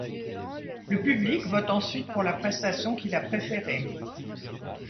Le public vote ensuite pour la prestation qu'il a préférée.